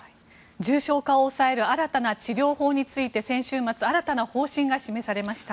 重症化を抑える新たな治療法について先週末新たな方針が示されました。